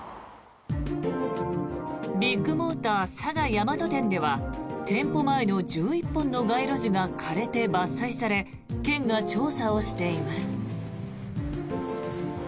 ビッグモーター佐賀大和店では店舗前の１１本の街路樹が枯れて伐採され県が調査をしています。